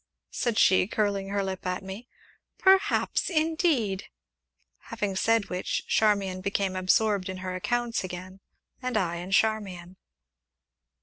said she, curling her lip at me, "perhaps, indeed!" Having said which, Charmian became absorbed in her accounts again, and I in Charmian.